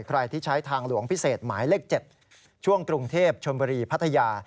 ใครที่ใช้ทางหลวงพิเศษหมายเลข๗ช่วงกรุงเทพชนบุรีพัทยา